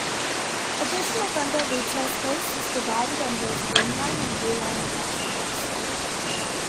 Additional vendor retail space was provided on both Green Line and Blue Line platforms.